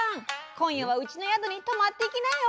今夜はうちの宿に泊まっていきなよ。